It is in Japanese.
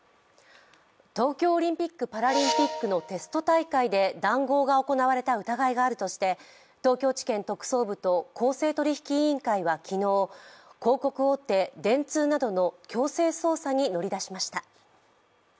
東京オリンピック・パラリンピックのテスト大会で談合が行われた疑いがあるとして東京地検特捜部と公正取引委員会は昨日広告大手・電通などの強制捜査に乗り出しました。